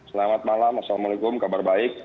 selamat malam assalamualaikum kabar baik